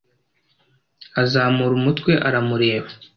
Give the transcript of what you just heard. Azamura umutwe aramureba.